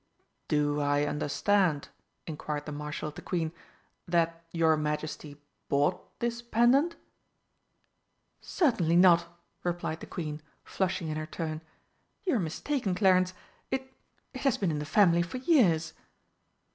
"Do I understand," inquired the Marshal of the Queen, "that your Majesty bought this pendant?" "Certainly not," replied the Queen, flushing in her turn. "You're mistaken, Clarence it it has been in the family for years!"